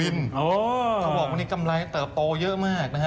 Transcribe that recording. เขาบอกวันนี้กำไรเติบโตเยอะมากนะฮะ